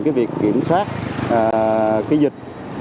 kiểm soát kỷ dịch